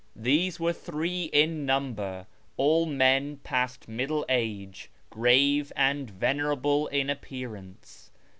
These were three in number, all men past middle age, grave and venerable in appearance.